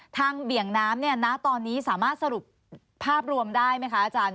เบี่ยงน้ำเนี่ยณตอนนี้สามารถสรุปภาพรวมได้ไหมคะอาจารย์